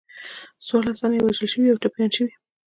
څوارلس تنه یې وژل شوي او ټپیان شوي.